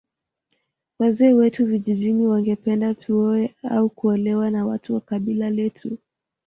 Wazee wetu vijijini wangependa tuoe au kuolewa na watu wa kabila letu